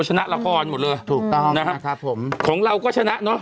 ชนะละครหมดเลยถูกต้องนะครับครับผมของเราก็ชนะเนอะ